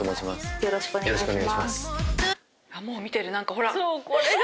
よろしくお願いします。